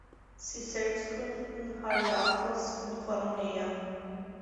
Sie selbst gründeten Haliartos und Koroneia.